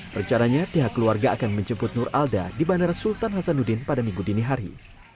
percaranya pihak keluarga akan menjemput nur alda di bandara sultan hasanuddin pada minggu dini hari